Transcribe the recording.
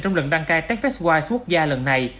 trong lần đăng cai techfestwise quốc gia lần này